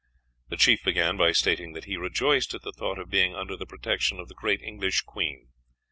The chief began by stating that he rejoiced at the thought of being under the protection of the great English Queen.